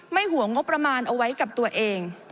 ห่วงงบประมาณเอาไว้กับตัวเอง